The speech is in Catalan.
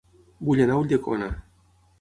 Vull anar a Ulldecona